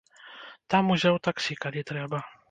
Там узяў таксі, калі трэба.